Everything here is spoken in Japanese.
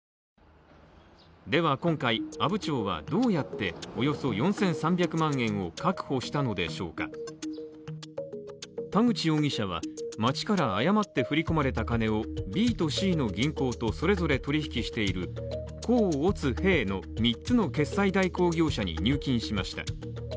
では今回阿武町はどうやっておよそ４３００万円を確保したのでしょうか田口容疑者は町から誤って振り込まれた金を、ＢとＣの銀行とそれぞれ取引している甲乙丙の三つの決済代行業者に入金しました。